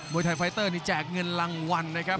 วยไทยไฟเตอร์นี่แจกเงินรางวัลนะครับ